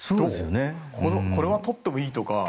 これはとってもいいとか。